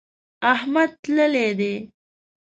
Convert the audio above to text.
احمد تللی دی.